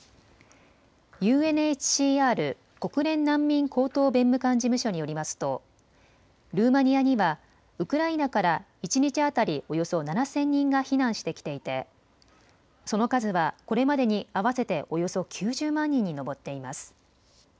ＵＮＨＣＲ・国連難民高等弁務官事務所によりますとルーマニアにはウクライナから一日当たりおよそ７０００人が避難してきていてその数はこれまでに合わせておよそ９０万人に上っています。